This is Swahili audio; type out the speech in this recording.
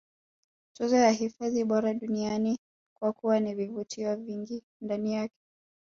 Tuzo ya hifadhi bora duniani kwa kuwa na vivutio vingi ndani yake